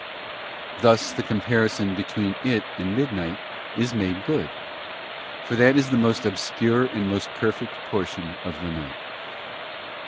Thus the comparison between it and midnight is made good: for that is the most obscure and most perfect portion of the night.